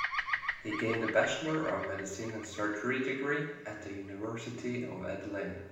He gained a Bachelor of Medicine and Surgery degree at the University of Adelaide.